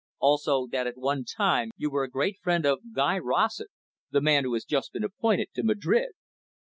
Also that at one time, you were a great friend of Guy Rossett, the man who has just been appointed to Madrid."